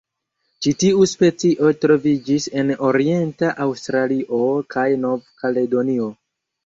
Ĉi tiu specio troviĝis en orienta Aŭstralio kaj Nov-Kaledonio.